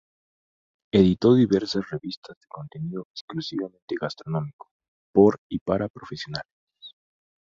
Editó diversas revistas de contenido exclusivamente gastronómico, por y para profesionales.